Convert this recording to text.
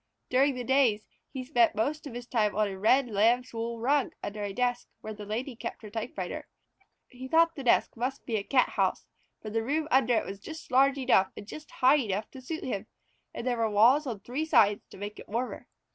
During the days he spent most of his time on a red lamb's wool rug under a desk where the Lady kept her typewriter. He thought the desk must be a Cathouse, for the room under it was just large enough and just high enough to suit him, and there were walls on three sides to make it warmer.